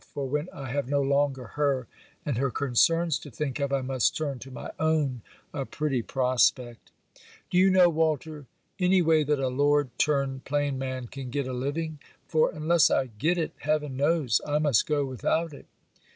for when I have no longer her and her concerns to think of I must turn to my own a pretty prospect! Do you know, Walter, any way that a Lord turned plain man can get a living? for unless I get it heaven knows I must go without it.